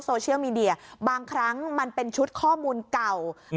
โซเชียลมีเดียบางครั้งมันเป็นชุดข้อมูลเก่าอืม